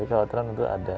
kekhawatiran tentu ada